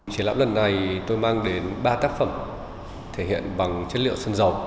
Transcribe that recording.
triển lãm lần này tôi mang đến ba tác phẩm thể hiện bằng chất liệu sơn dầu